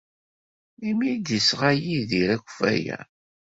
Melmi ay d-yesɣa Yidir akeffay-a?